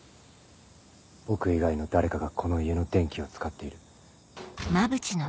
僕以外の誰かがこの家の電気を使っている。